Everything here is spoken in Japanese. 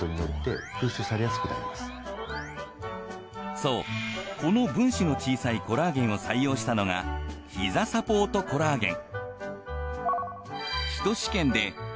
そうこの分子の小さいコラーゲンを採用したのがひざサポートコラーゲン。